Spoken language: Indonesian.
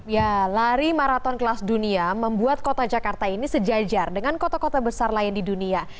ya lari maraton kelas dunia membuat kota jakarta ini sejajar dengan kota kota besar lain di dunia